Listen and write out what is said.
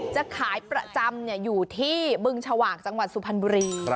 จะขายประจำอยู่ที่บึงชวากจังหวัดสุพรรณบุรี